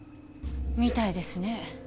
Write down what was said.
みたいですね。